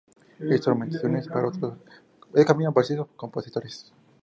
Instrumentaciones para otros compositores.